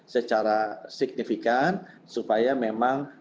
secara signifikan supaya memang